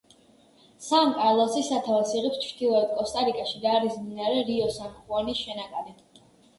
სან კარლოსი სათავეს იღებს ჩრდილოეთ კოსტა-რიკაში და არის მდინარე რიო სან ხუანის შენაკადი.